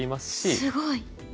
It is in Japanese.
すごい。